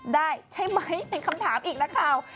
ได้ใช่ไหมเป็นคำถามอีกละข่าว